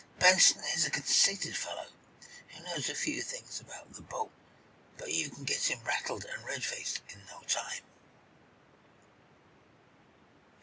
Benson is a conceited fellow, who knows a few things about the boat, but you can get him rattled and red faced in no time."